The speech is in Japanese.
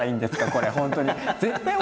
これ本当に。